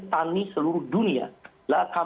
tani seluruh dunia